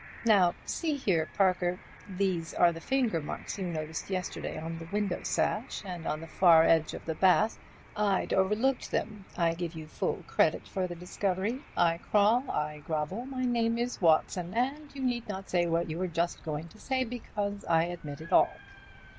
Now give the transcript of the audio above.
Now, see here, Parker, these are the finger marks you noticed yesterday on the window sash and on the far edge of the bath. I'd overlooked them; I give you full credit for the discovery, I crawl, I grovel, my name is Watson, and you need not say what you were just going to say, because I admit it all.